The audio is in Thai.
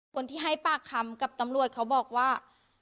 คนที่ให้ปากคำกับตำรวจเขาบอกว่า